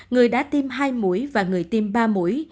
người đã tiêm hai mũi và người tiêm ba mũi